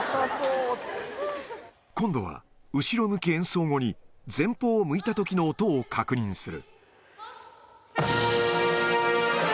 今度は、後ろ向き演奏後に、前方を向いたときの音を確認する。